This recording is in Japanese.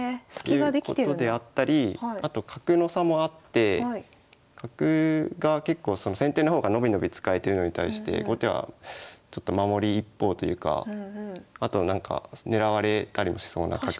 ということであったりあと角の差もあって角が結構先手の方が伸び伸び使えてるのに対して後手はちょっと守り一方というかあとはなんか狙われたりもしそうな角なので。